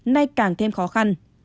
nay càng thêm khó khăn